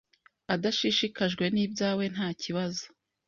adashishikajwe n’ibyawe ntakibazo